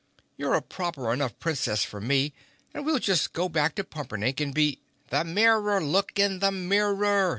You're a proper enough Princess for me and we'll just go back to Pumperdink and be—" "The mirror! Look in the mirror!"